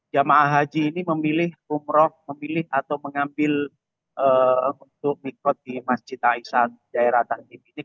jemaah haji ini memilih umroh memilih atau mengambil untuk mikot di masjid aisyah jaya rata tim ini